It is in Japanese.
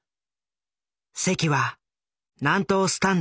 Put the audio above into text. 席は南東スタンド